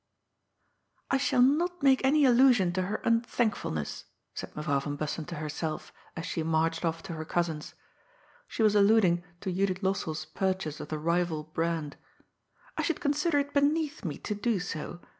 ^ I shall not make any allusion to her unthankf ulness,'^ said Meyrouw Tan Bussen to herself, as she marched off to her cousin's. She was alluding to Judith LosselPs pur chase of the rival brand ;^^ I should consider it beneath me to do so.